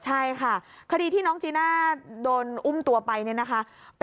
ใช่ค่ะคดีที่น้องจีน่าโดนอุ้มตัวไปเนี่ยนะคะ